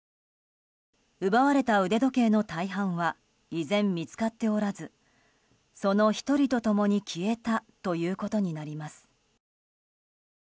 奪われた腕時計の大半は依然見つかっておらずその１人と共に消えたということになります。